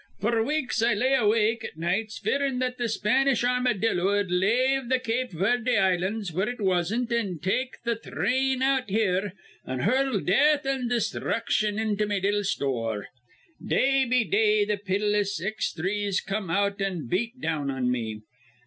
F'r weeks I lay awake at nights fearin' that th' Spanish ar rmadillo'd lave the Cape Verde Islands, where it wasn't, an' take th' thrain out here, an' hur rl death an' desthruction into me little store. Day be day th' pitiless exthries come out an' beat down on me.